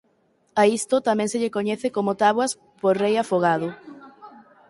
A isto tamén se lle coñece como táboas por rei afogado.